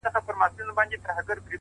په سپورمۍ كي ستا تصوير دى؛